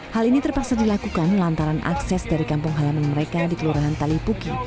hal ini terpaksa dilakukan lantaran akses dari kampung halaman mereka di kelurahan talipuki